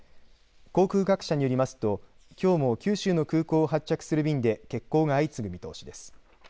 航空各社によりますときょうも九州の空港を発着する便で欠航が相次ぐ見通しです。